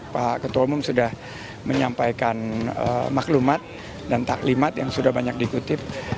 pak ketua umum sudah menyampaikan maklumat dan taklimat yang sudah banyak dikutip